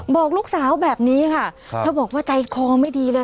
บอกลูกสาวแบบนี้ค่ะเธอบอกว่าใจคอไม่ดีเลย